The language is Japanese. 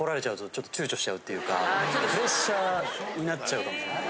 っていうかプレッシャーになっちゃうかもしれないですね。